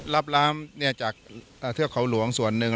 รับน้ำจากเทือกเขาหลวงส่วนหนึ่ง